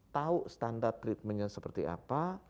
tahu standar treatmentnya seperti apa